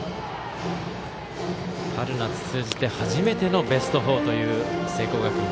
春夏通じて初めてのベスト４という聖光学院。